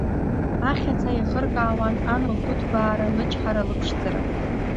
Ахьаца иахыркаауан ан лгәыҭбаара, лычҳара, лыԥшӡара.